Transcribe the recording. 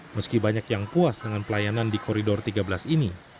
meski banyak yang puas dengan pelayanan di koridor tiga belas ini